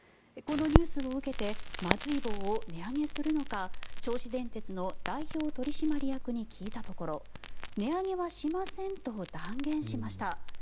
このニュースを受けてまずい棒を値上げするのか銚子電鉄の代表取締役に聞いたところ値上げはしませんと断言しました。